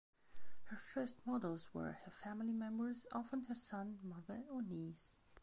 Her first models were her family members, often her son, mother, or niece.